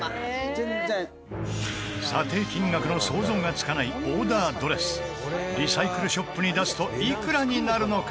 査定金額の想像がつかないオーダードレスリサイクルショップに出すといくらになるのか？